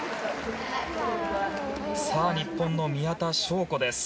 さあ、日本の宮田笙子です。